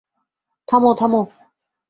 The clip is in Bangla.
থামো, থামো!